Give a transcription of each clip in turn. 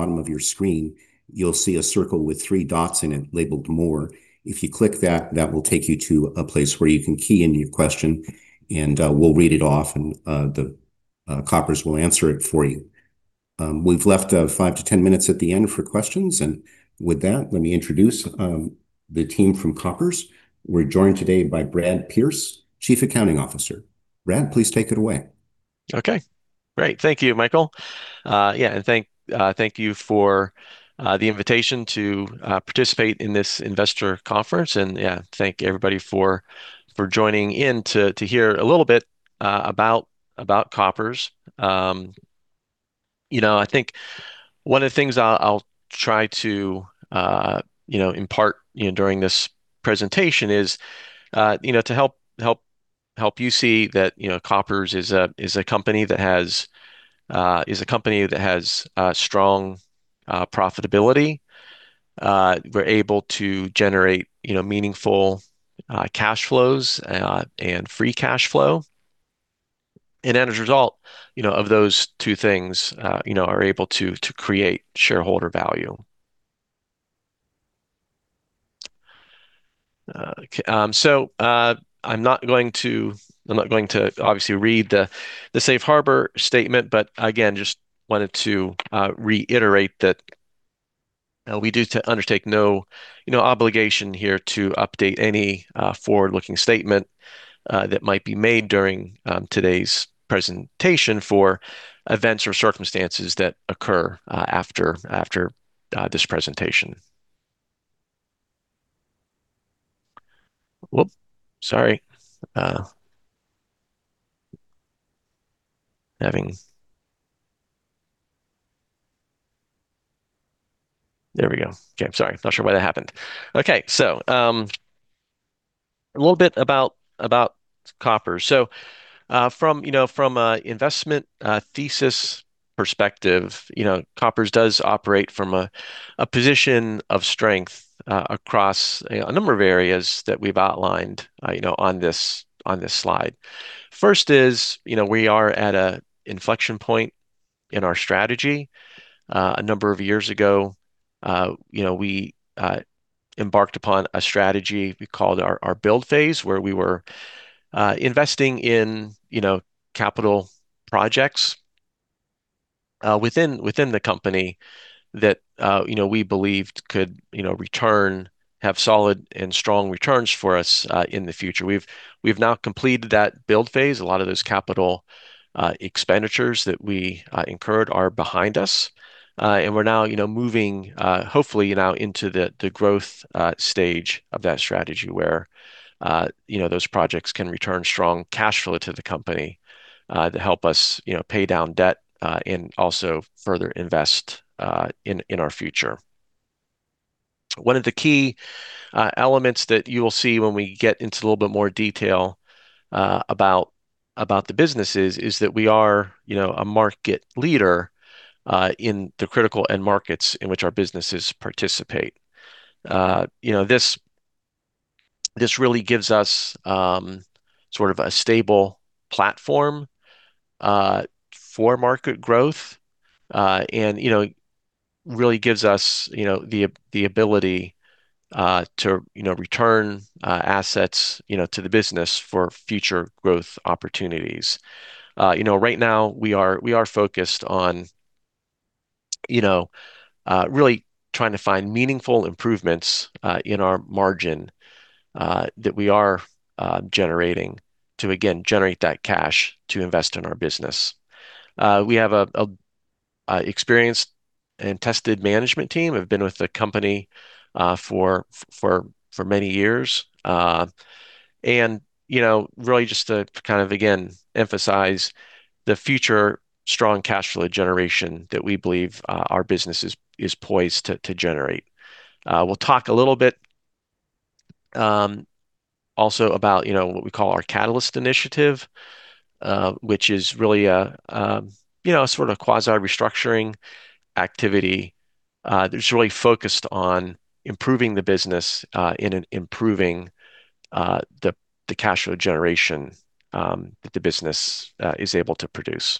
Bottom of your screen, you'll see a circle with three dots in it labeled "More." If you click that, that will take you to a place where you can key in your question, and we'll read it off, and the Koppers will answer it for you. We've left five to 10 minutes at the end for questions, and with that, let me introduce the team from Koppers. We're joined today by Brad Pearce, Chief Accounting Officer. Brad, please take it away. Okay, great. Thank you, Michael. Yeah, and thank you for the invitation to participate in this investor conference, and yeah, thank everybody for joining in to hear a little bit about Koppers. You know, I think one of the things I'll try to impart during this presentation is to help you see that Koppers is a company that has strong profitability. We're able to generate meaningful cash flows and free cash flow, and as a result of those two things, are able to create shareholder value. So I'm not going to, obviously, read the Safe Harbor statement, but again, just wanted to reiterate that we do undertake no obligation here to update any forward-looking statement that might be made during today's presentation for events or circumstances that occur after this presentation. Whoop, sorry. Having—there we go. Okay, sorry, not sure why that happened. Okay, so a little bit about Koppers. So from an investment thesis perspective, Koppers does operate from a position of strength across a number of areas that we've outlined on this slide. First is we are at an inflection point in our strategy. A number of years ago, we embarked upon a strategy we called our build phase, where we were investing in capital projects within the company that we believed could return, have solid and strong returns for us in the future. We've now completed that build phase. A lot of those capital expenditures that we incurred are behind us, and we're now moving, hopefully, now into the growth stage of that strategy, where those projects can return strong cash flow to the company to help us pay down debt and also further invest in our future. One of the key elements that you will see when we get into a little bit more detail about the business is that we are a market leader in the critical end markets in which our businesses participate. This really gives us sort of a stable platform for market growth and really gives us the ability to return assets to the business for future growth opportunities. Right now, we are focused on really trying to find meaningful improvements in our margin that we are generating to, again, generate that cash to invest in our business. We have an experienced and tested management team. I've been with the company for many years. And really just to kind of, again, emphasize the future strong cash flow generation that we believe our business is poised to generate. We'll talk a little bit also about what we call our Catalyst Initiative, which is really a sort of quasi-restructuring activity that's really focused on improving the business in improving the cash flow generation that the business is able to produce.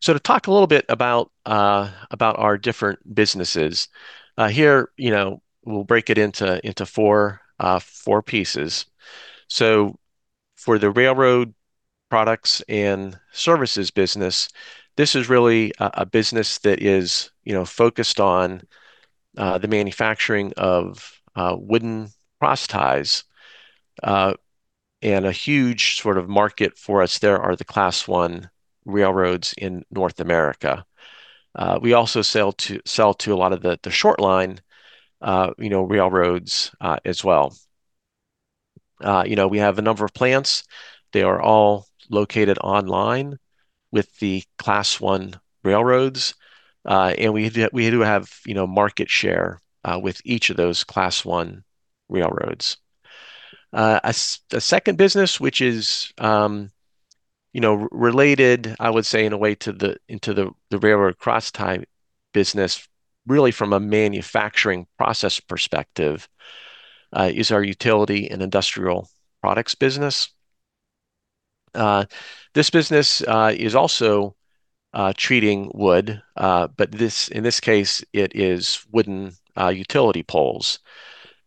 So to talk a little bit about our different businesses, here we'll break it into four pieces. So for the railroad products and services business, this is really a business that is focused on the manufacturing of wooden cross-ties, and a huge sort of market for us, there are the Class I railroads in North America. We also sell to a lot of the short-line railroads as well. We have a number of plants. They are all located on line with the Class I railroads, and we do have market share with each of those Class I railroads. A second business, which is related, I would say, in a way to the railroad cross-ties business, really from a manufacturing process perspective, is our utility and industrial products business. This business is also treating wood, but in this case, it is wooden utility poles.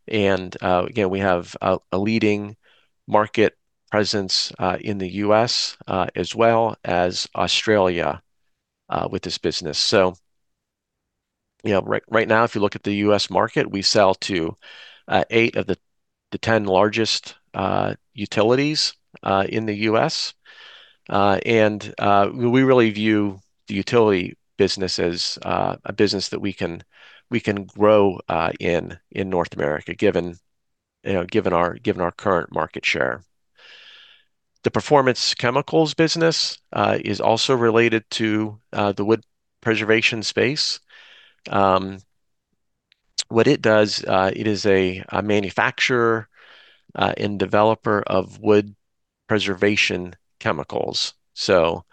And again, we have a leading market presence in the U.S. as well as Australia with this business. So right now, if you look at the U.S. market, we sell to eight of the 10 largest utilities in the U.S. And we really view the utility business as a business that we can grow in North America, given our current market share. The Performance Chemicals business is also related to the wood preservation space. What it does, it is a manufacturer and developer of wood preservation chemicals. So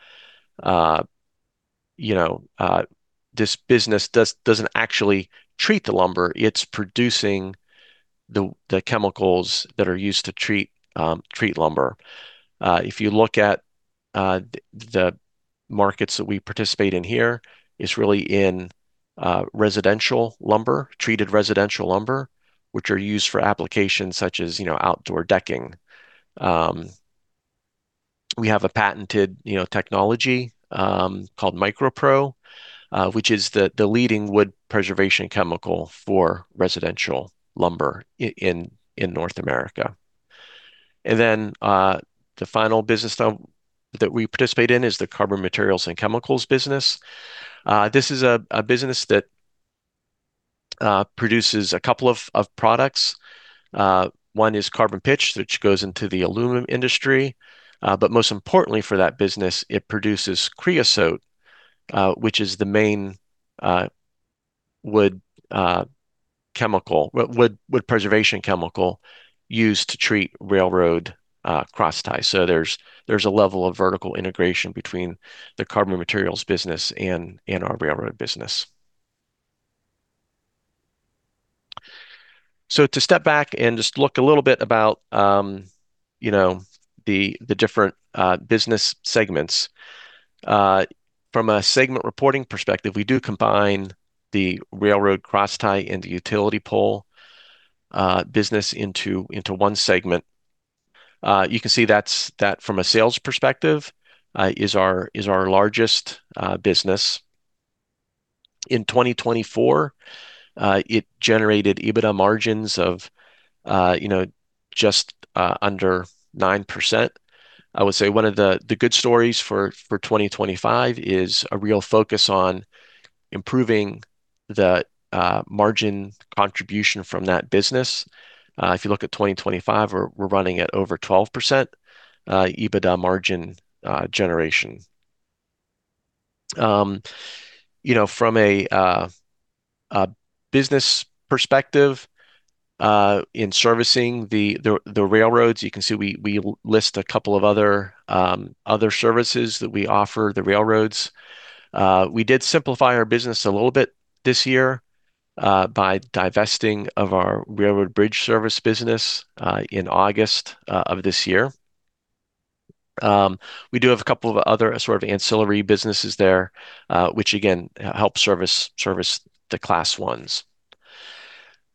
this business doesn't actually treat the lumber. It's producing the chemicals that are used to treat lumber. If you look at the markets that we participate in here, it's really in residential lumber, treated residential lumber, which are used for applications such as outdoor decking. We have a patented technology called MicroPro, which is the leading wood preservation chemical for residential lumber in North America. And then the final business that we participate in is the carbon materials and chemicals business. This is a business that produces a couple of products. One is carbon pitch, which goes into the aluminum industry. But most importantly for that business, it produces creosote, which is the main wood preservation chemical used to treat railroad cross-ties. So there's a level of vertical integration between the carbon materials business and our railroad business. So to step back and just look a little bit about the different business segments, from a segment reporting perspective, we do combine the railroad cross-ties and the utility pole business into one segment. You can see that, from a sales perspective, is our largest business. In 2024, it generated EBITDA margins of just under 9%. I would say one of the good stories for 2025 is a real focus on improving the margin contribution from that business. If you look at 2025, we're running at over 12% EBITDA margin generation. From a business perspective in servicing the railroads, you can see we list a couple of other services that we offer the railroads. We did simplify our business a little bit this year by divesting of our railroad bridge service business in August of this year. We do have a couple of other sort of ancillary businesses there, which again help service the Class I's.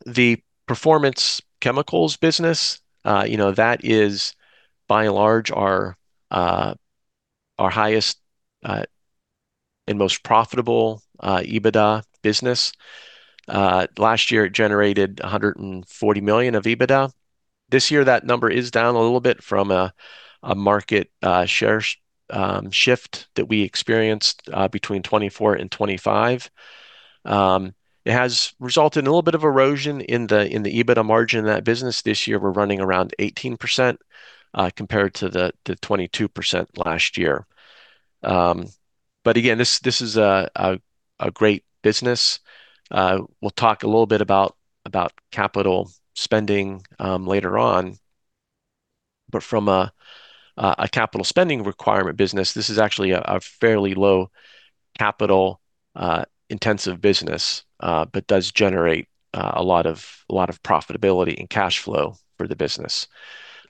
The Performance Chemicals business, that is by and large our highest and most profitable EBITDA business. Last year, it generated $140 million of EBITDA. This year, that number is down a little bit from a market share shift that we experienced between 2024 and 2025. It has resulted in a little bit of erosion in the EBITDA margin in that business. This year, we're running around 18% compared to the 22% last year. But again, this is a great business. We'll talk a little bit about capital spending later on. But from a capital spending requirement business, this is actually a fairly low capital-intensive business, but does generate a lot of profitability and cash flow for the business.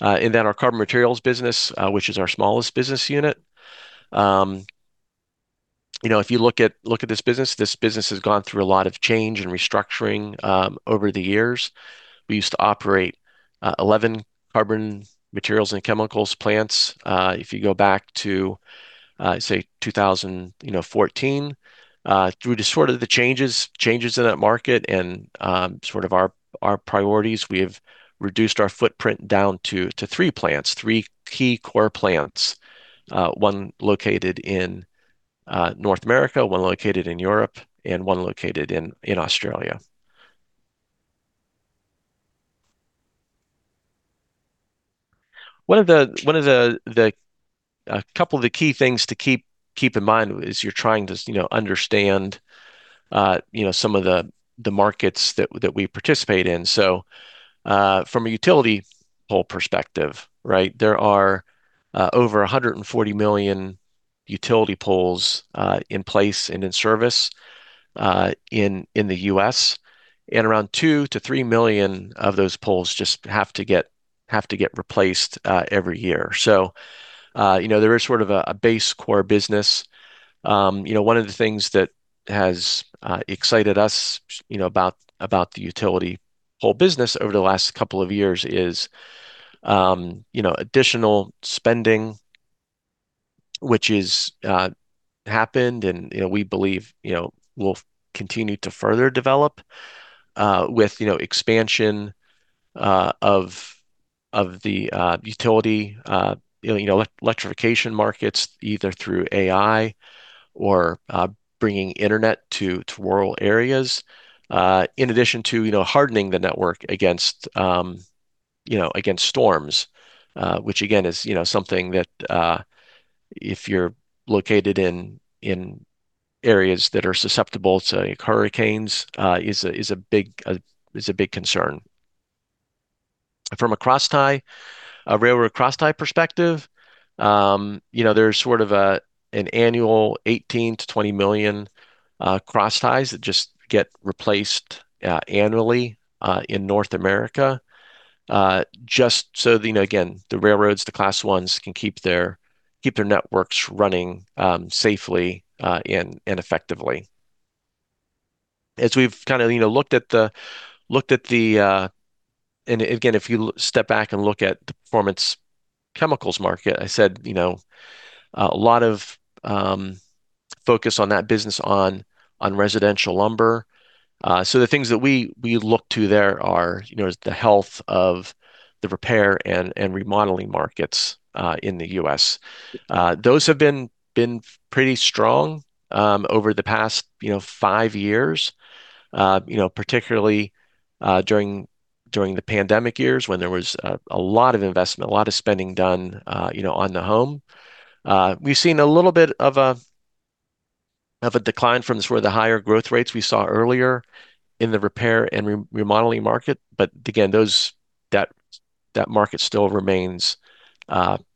And then our carbon materials business, which is our smallest business unit. If you look at this business, this business has gone through a lot of change and restructuring over the years. We used to operate 11 carbon materials and chemicals plants. If you go back to, say, 2014, due to sort of the changes in that market and sort of our priorities, we have reduced our footprint down to three plants, three key core plants, one located in North America, one located in Europe, and one located in Australia. One of the couple of the key things to keep in mind is you're trying to understand some of the markets that we participate in. So from a utility pole perspective, right, there are over 140 million utility poles in place and in service in the U.S., and around 2-3 million of those poles just have to get replaced every year. So there is sort of a base core business. One of the things that has excited us about the utility pole business over the last couple of years is additional spending, which has happened and we believe will continue to further develop with expansion of the utility electrification markets, either through AI or bringing internet to rural areas, in addition to hardening the network against storms, which again is something that if you're located in areas that are susceptible to hurricanes is a big concern. From a railroad cross-ties perspective, there's sort of an annual 18-20 million cross-ties that just get replaced annually in North America, just so that, again, the railroads, the Class I's, can keep their networks running safely and effectively. As we've kind of looked at the, and again, if you step back and look at the performance chemicals market, I said a lot of focus on that business on residential lumber. So the things that we look to there are the health of the repair and remodeling markets in the U.S. Those have been pretty strong over the past five years, particularly during the pandemic years when there was a lot of investment, a lot of spending done on the home. We've seen a little bit of a decline from the higher growth rates we saw earlier in the repair and remodeling market. But again, that market still remains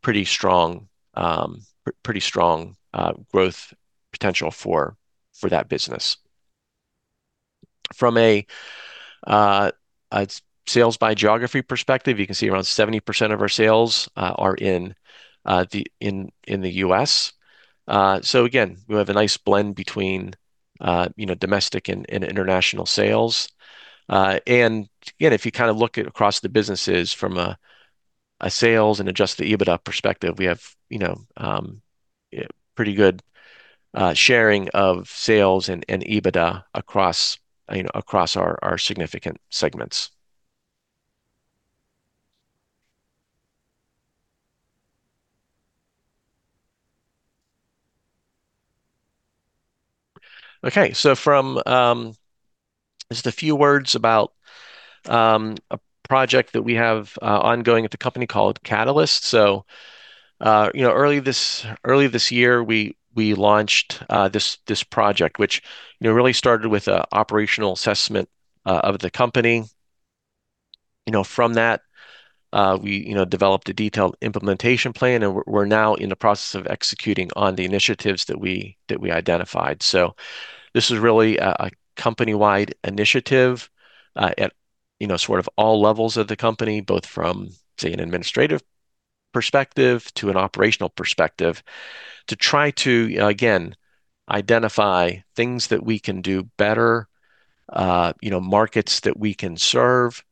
pretty strong growth potential for that business. From a sales-by-geography perspective, you can see around 70% of our sales are in the U.S. So again, we have a nice blend between domestic and international sales. And again, if you kind of look across the businesses from a sales and Adjusted EBITDA perspective, we have pretty good sharing of sales and EBITDA across our significant segments. Okay. So just a few words about a project that we have ongoing at the company called Catalyst. So early this year, we launched this project, which really started with an operational assessment of the company. From that, we developed a detailed implementation plan, and we're now in the process of executing on the initiatives that we identified. So this is really a company-wide initiative at sort of all levels of the company, both from, say, an administrative perspective to an operational perspective, to try to, again, identify things that we can do better, markets that we can serve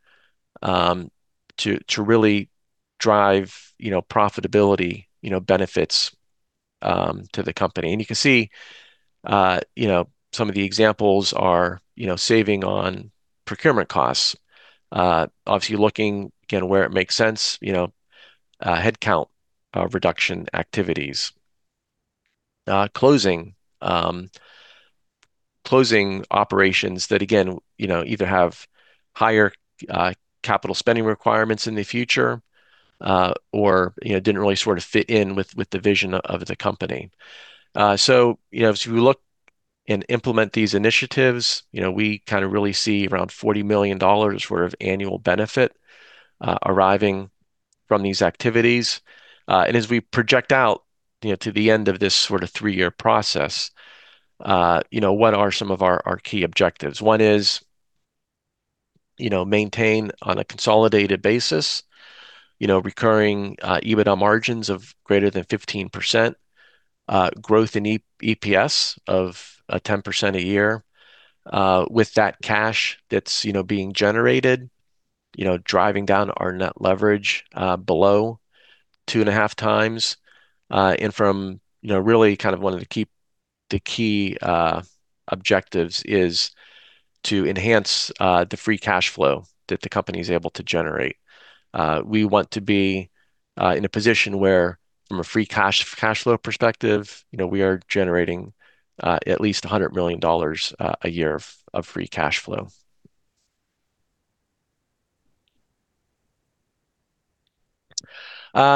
to really drive profitability benefits to the company. And you can see some of the examples are saving on procurement costs, obviously looking, again, where it makes sense, headcount reduction activities, closing operations that, again, either have higher capital spending requirements in the future or didn't really sort of fit in with the vision of the company. So as we look and implement these initiatives, we kind of really see around $40 million worth of annual benefit arriving from these activities. And as we project out to the end of this sort of three-year process, what are some of our key objectives? One is maintain on a consolidated basis recurring EBITDA margins of greater than 15%, growth in EPS of 10% a year with that cash that's being generated, driving down our net leverage below two and a half times. And from really kind of one of the key objectives is to enhance the free cash flow that the company is able to generate. We want to be in a position where, from a free cash flow perspective, we are generating at least $100 million a year of free cash flow.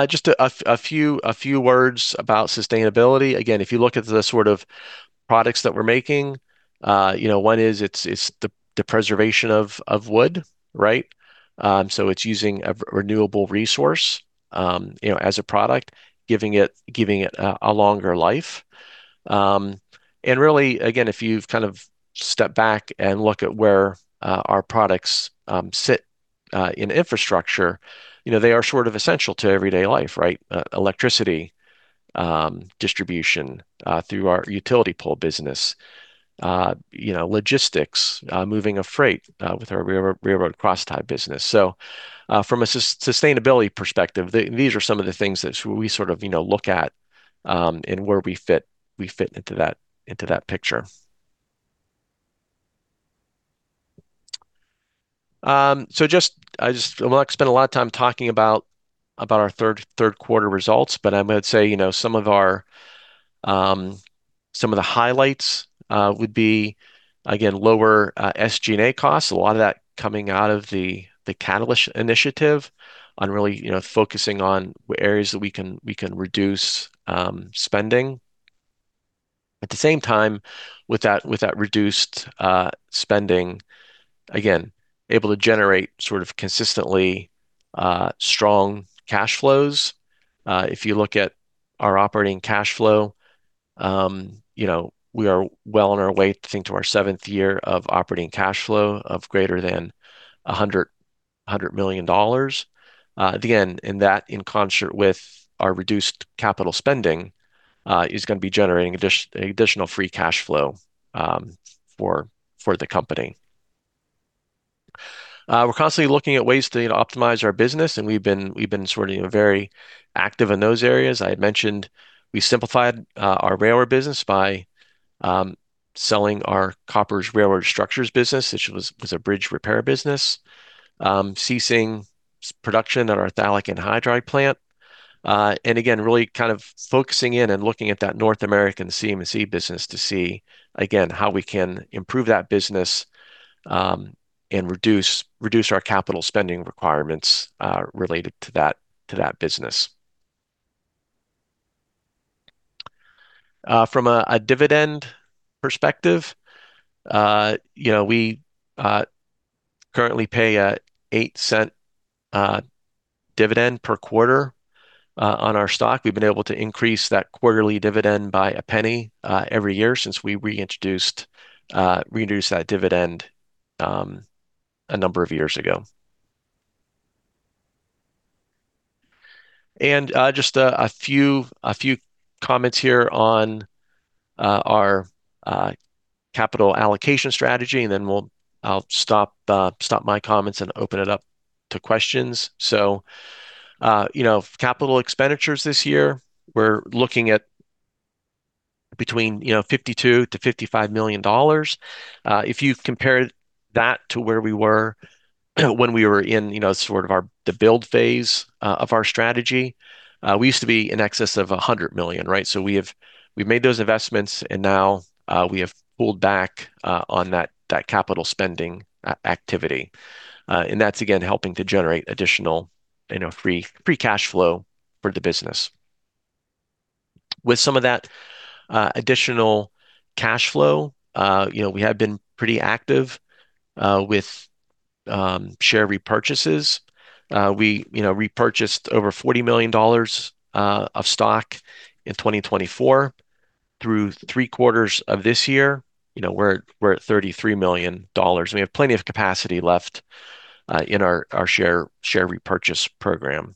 Just a few words about sustainability. Again, if you look at the sort of products that we're making, one is it's the preservation of wood, right? So it's using a renewable resource as a product, giving it a longer life. And really, again, if you've kind of stepped back and look at where our products sit in infrastructure, they are sort of essential to everyday life, right? Electricity distribution through our utility pole business, logistics, moving a freight with our railroad cross-ties business. So from a sustainability perspective, these are some of the things that we sort of look at and where we fit into that picture. So I'm not going to spend a lot of time talking about our third-quarter results, but I'm going to say some of the highlights would be, again, lower SG&A costs, a lot of that coming out of the Catalyst initiative on really focusing on areas that we can reduce spending. At the same time, with that reduced spending, again, able to generate sort of consistently strong cash flows. If you look at our operating cash flow, we are well on our way to our seventh year of operating cash flow of greater than $100 million. Again, and that in concert with our reduced capital spending is going to be generating additional free cash flow for the company. We're constantly looking at ways to optimize our business, and we've been sort of very active in those areas. I had mentioned we simplified our railroad business by selling our Koppers Railroad Structures business, which was a bridge repair business, ceasing production at our phthalic anhydride plant, and again, really kind of focusing in and looking at that North American CMC business to see, again, how we can improve that business and reduce our capital spending requirements related to that business. From a dividend perspective, we currently pay a $0.08 dividend per quarter on our stock. We've been able to increase that quarterly dividend by $0.01 every year since we reintroduced that dividend a number of years ago, and just a few comments here on our capital allocation strategy, and then I'll stop my comments and open it up to questions. So capital expenditures this year, we're looking at between $52-$55 million. If you compare that to where we were when we were in sort of the build phase of our strategy, we used to be in excess of $100 million, right? So we've made those investments, and now we have pulled back on that capital spending activity. And that's, again, helping to generate additional free cash flow for the business. With some of that additional cash flow, we have been pretty active with share repurchases. We repurchased over $40 million of stock in 2024. Through three quarters of this year, we're at $33 million. We have plenty of capacity left in our share repurchase program.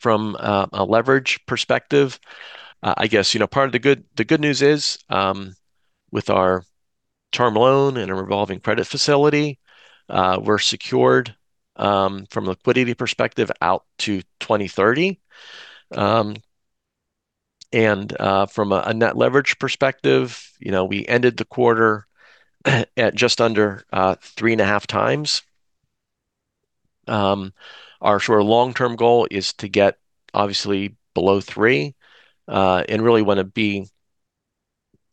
From a leverage perspective, I guess part of the good news is with our term loan and a revolving credit facility, we're secured from a liquidity perspective out to 2030. And from a net leverage perspective, we ended the quarter at just under three and a half times. Our sort of long-term goal is to get, obviously, below three and really want to be,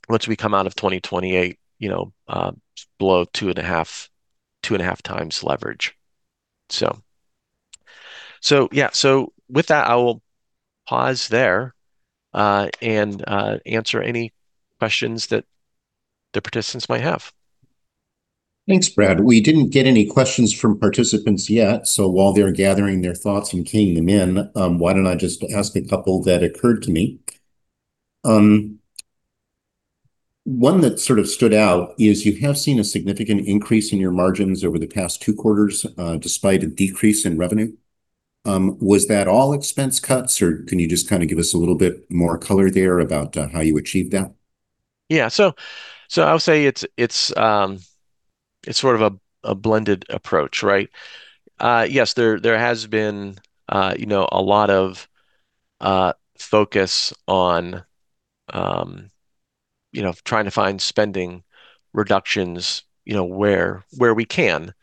once we come out of 2028, below two and a half times leverage. So yeah, so with that, I will pause there and answer any questions that the participants might have. Thanks, Brad. We didn't get any questions from participants yet, so while they're gathering their thoughts and keying them in, why don't I just ask a couple that occurred to me? One that sort of stood out is you have seen a significant increase in your margins over the past two quarters despite a decrease in revenue. Was that all expense cuts, or can you just kind of give us a little bit more color there about how you achieved that? Yeah, so I'll say it's sort of a blended approach, right? Yes, there has been a lot of focus on trying to find spending reductions where we can,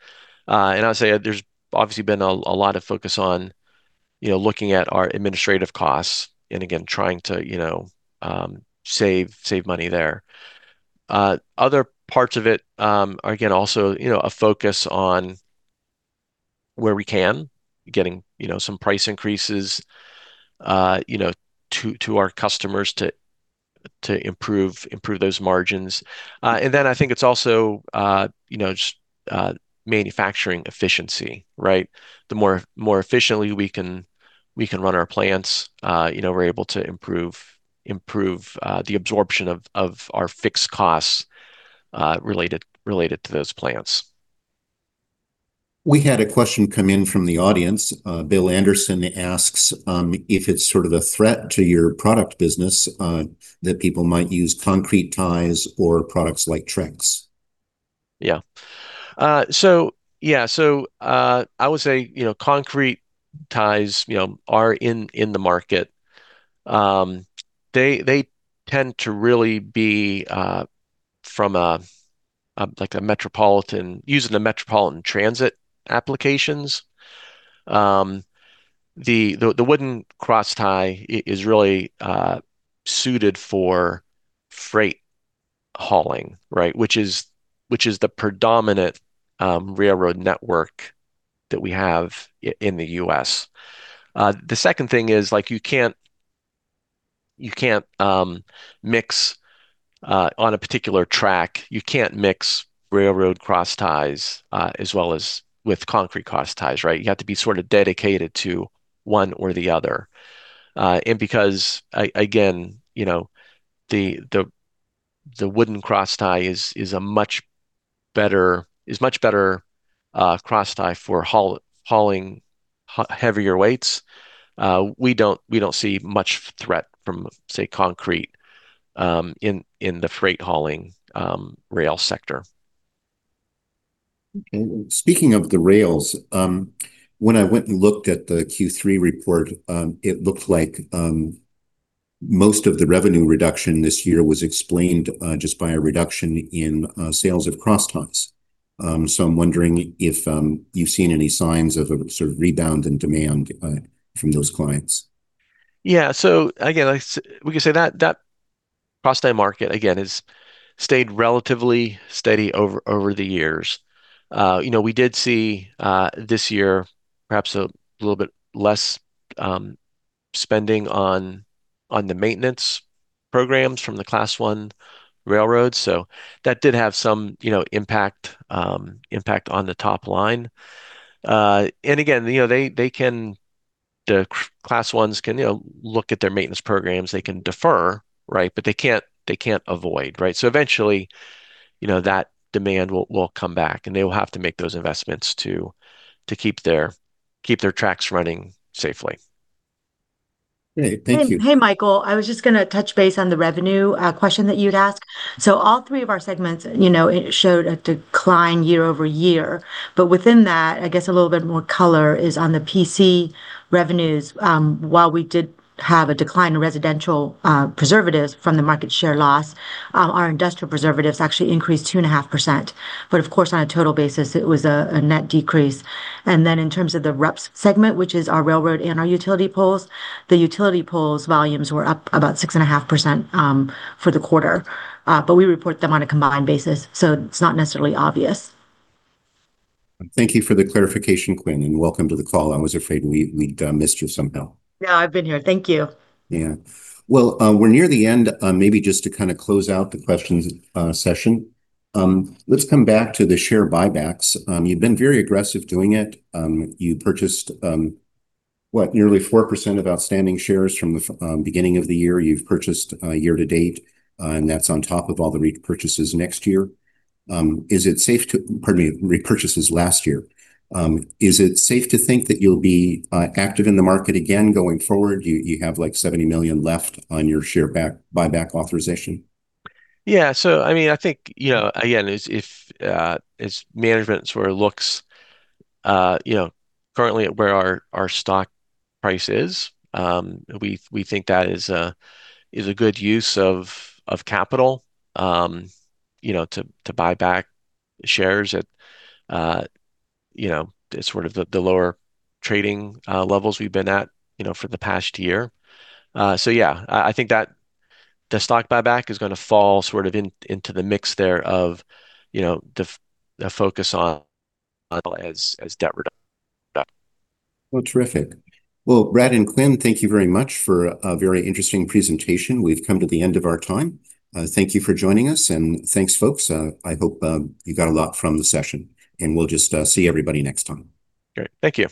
and I'll say there's obviously been a lot of focus on looking at our administrative costs and, again, trying to save money there. Other parts of it are, again, also a focus on where we can, getting some price increases to our customers to improve those margins, and then I think it's also just manufacturing efficiency, right? The more efficiently we can run our plants, we're able to improve the absorption of our fixed costs related to those plants. We had a question come in from the audience. Bill Anderson asks if it's sort of a threat to your product business that people might use concrete ties or products like Trex. Yeah. So, I would say concrete ties are in the market. They tend to really be from a metropolitan using the metropolitan transit applications. The wooden crosstie is really suited for freight hauling, right, which is the predominant railroad network that we have in the U.S. The second thing is you can't mix on a particular track. You can't mix railroad crossties as well as with concrete crossties, right? You have to be sort of dedicated to one or the other, and because, again, the wooden crosstie is a much better crosstie for hauling heavier weights, we don't see much threat from, say, concrete in the freight-hauling rail sector. Okay. Speaking of the rails, when I went and looked at the Q3 report, it looked like most of the revenue reduction this year was explained just by a reduction in sales of cross ties. So I'm wondering if you've seen any signs of a sort of rebound in demand from those clients? Yeah. So again, we can say that crosstie market, again, has stayed relatively steady over the years. We did see this year perhaps a little bit less spending on the maintenance programs from the Class I railroads. So that did have some impact on the top line. And again, the Class Is can look at their maintenance programs. They can defer, right, but they can't avoid, right? So eventually, that demand will come back, and they will have to make those investments to keep their tracks running safely. Great. Thank you. Hey, Michael, I was just going to touch base on the revenue question that you'd asked, so all three of our segments showed a decline year over year, but within that, I guess a little bit more color is on the PC revenues. While we did have a decline in residential preservatives from the market share loss, our industrial preservatives actually increased 2.5%, but of course, on a total basis, it was a net decrease, and then in terms of the REPS segment, which is our railroad and our utility poles, the utility poles volumes were up about 6.5% for the quarter, but we report them on a combined basis, so it's not necessarily obvious. Thank you for the clarification, Quynh, and welcome to the call. I was afraid we'd missed you somehow. Yeah, I've been here. Thank you. Yeah. Well, we're near the end. Maybe just to kind of close out the questions session, let's come back to the share buybacks. You've been very aggressive doing it. You purchased, what, nearly 4% of outstanding shares from the beginning of the year. You've purchased year to date, and that's on top of all the repurchases next year. Is it safe to - pardon me - repurchases last year. Is it safe to think that you'll be active in the market again going forward? You have like 70 million left on your share buyback authorization. Yeah. So I mean, I think, again, if management sort of looks currently at where our stock price is, we think that is a good use of capital to buy back shares at sort of the lower trading levels we've been at for the past year. So yeah, I think that the stock buyback is going to fall sort of into the mix there of a focus on as debt reduction. Well, terrific. Well, Brad and Quynh, thank you very much for a very interesting presentation. We've come to the end of our time. Thank you for joining us, and thanks, folks. I hope you got a lot from the session, and we'll just see everybody next time. Great. Thank you.